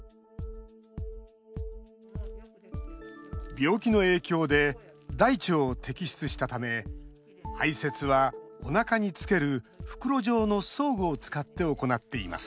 病気の影響で大腸を摘出したため排せつは、おなかにつける袋状の装具を使って行っています。